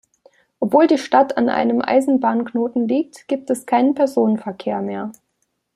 Obwohl die Stadt an einem Eisenbahnknoten liegt, gibt es keinen Personenverkehr mehr.